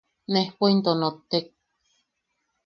Nejpo into nottek.